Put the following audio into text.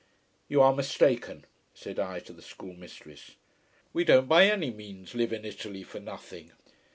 You are mistaken, said I to the schoolmistress. We don't by any means live in Italy for nothing.